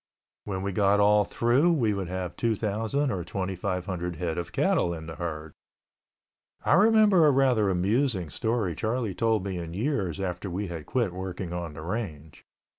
When we got all through we would have 2,000 or 2,500 head of cattle in the herd. I remember a rather amusing story Charlie told me in years after we had quit working on the range.